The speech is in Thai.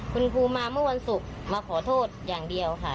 คุณครูมาเมื่อวันศุกร์มาขอโทษอย่างเดียวค่ะ